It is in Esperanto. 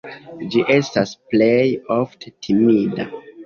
Ĝi estas plej ofte timida.